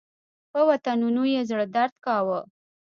په وطنونو یې زړه درد کاوه.